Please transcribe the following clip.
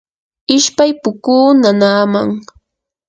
ishpay pukuu nanaaman.